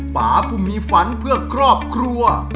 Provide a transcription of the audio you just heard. ป่าผู้มีฝันเพื่อครอบครัว